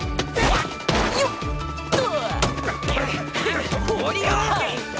よっと！